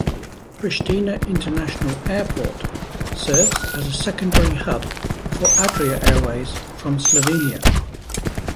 Prishtina International Airport serves as a secondary hub for Adria Airways from Slovenia.